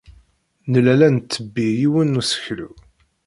Nella la nttebbi yiwen n useklu.